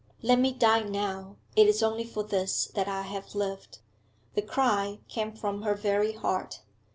'Let me die now! It is only for this that I have lived!' The cry came from her very heart.